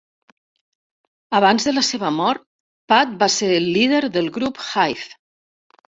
Abans de la seva mort, Pat va ser el líder del grup Hive.